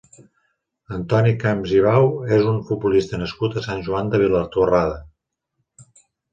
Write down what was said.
Antoni Camps i Bau és un futbolista nascut a Sant Joan de Vilatorrada.